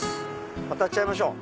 渡っちゃいましょう。